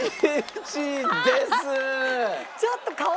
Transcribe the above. ちょっと。